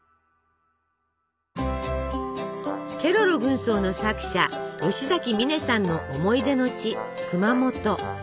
ケロロ軍曹の作者吉崎観音さんの思い出の地熊本。